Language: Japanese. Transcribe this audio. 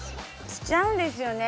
しちゃうんですよね。